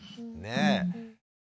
ねえ！